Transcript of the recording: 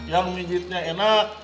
yang mijitnya enak